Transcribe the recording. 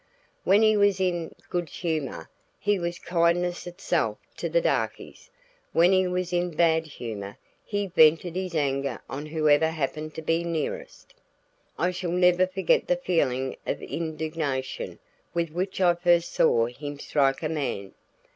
When he was in good humor, he was kindness itself to the darkies; when he was in bad humor, he vented his anger on whoever happened to be nearest. I shall never forget the feeling of indignation with which I first saw him strike a man.